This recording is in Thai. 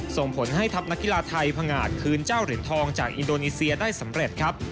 ส่งผลให้ทัพนักกีฬาไทยพงาดคืนเจ้าเหรียญทองจากอินโดนีเซียได้สำเร็จครับ